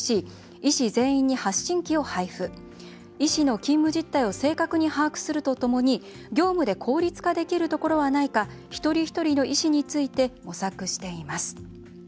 医師の勤務実態を正確に把握するとともに業務で効率化できるところはないか一人一人の医師について模索しています。